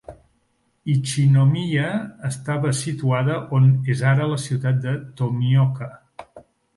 Ichinomiya estava situada on és ara la ciutat de Tomioka.